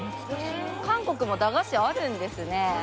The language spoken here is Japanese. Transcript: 韓国も駄菓子あるんですね。